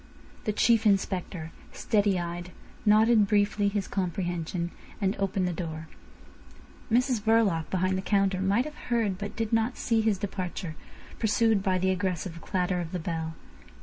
The Chief Inspector, steady eyed, nodded briefly his comprehension, and opened the door. Mrs Verloc, behind the counter, might have heard but did not see his departure, pursued by the aggressive clatter of the bell.